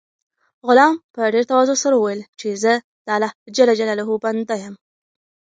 غلام په ډېر تواضع سره وویل چې زه د الله بنده یم.